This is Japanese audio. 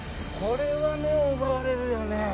これは目を奪われるよね。